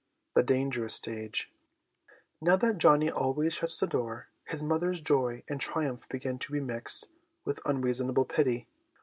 The Dangerous Stage. Now that Johnny always shuts the door, his mother's joy and triumph begin to be mixed with unreasonable pity.